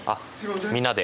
みんなで。